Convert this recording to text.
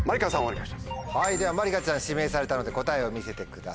まりかちゃん指名されたので答えを見せてください。